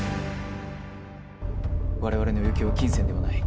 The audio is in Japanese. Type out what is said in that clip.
我々の要求は金銭ではない。